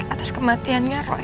atas kematiannya roy